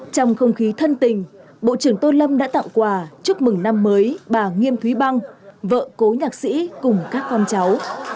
trong không khí thân tình bộ trưởng tô lâm đã tặng quà chúc mừng năm mới bà nghiêm thúy băng vợ cố nhạc sĩ cùng các con cháu